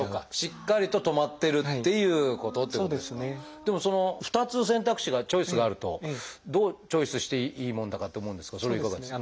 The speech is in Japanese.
でもその２つ選択肢がチョイスがあるとどうチョイスしていいもんだかって思うんですがそれはいかがですか？